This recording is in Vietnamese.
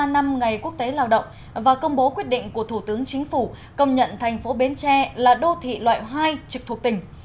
một trăm ba mươi ba năm ngày quốc tế lao động và công bố quyết định của thủ tướng chính phủ công nhận thành phố bến tre là đô thị loại hai trực thuộc tỉnh